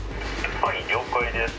はい了解です。